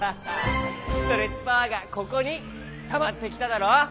ストレッチパワーがここにたまってきただろう？